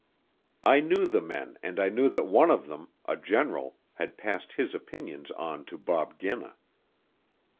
I knew the men and I knew that one of them, a general, had passed his opinions on to Bob Ginna.